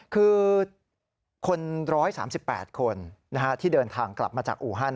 คือคน๑๓๘คนที่เดินทางกลับมาจากอูฮัน